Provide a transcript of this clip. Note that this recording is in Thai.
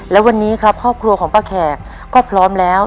และวันนี้ครับครอบครัวของป้าแขกก็พร้อมแล้ว